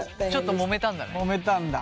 もめたんだ。